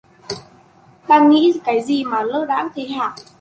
Đang nghĩ cái gì mà lơ đãng thế hả